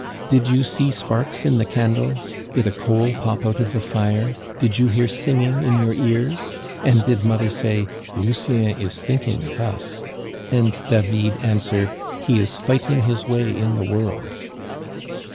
Did you see sparks in the candle? Did a coal pop out of the fire? Did you hear singing in your ears? And did mother say, 'Lucien is thinking of us,' and David answer, 'He is fighting his way in the world?